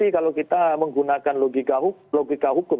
kalau kita menggunakan logika hukum